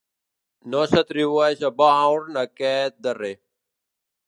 No s'atribueix a Brown aquest darrer.